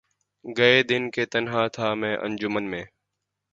گئے دن کہ تنہا تھا میں انجمن میں